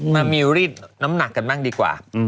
มามีรีดน้ำหนักกันบ้างดีกว่า